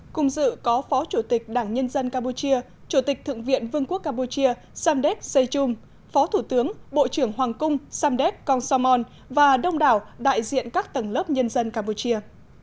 cùng dự có phó chủ tịch đảng nhân dân campuchia chủ tịch thượng viện vương quốc campuchia samdet sechung phó thủ tướng bộ trưởng hoàng cung samdet kong samon và đông đảo đại diện các tầng lớp nhân dân campuchia